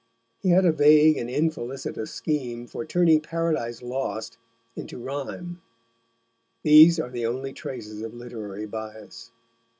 He had a vague and infelicitous scheme for turning Paradise Lost into rhyme. These are the only traces of literary bias.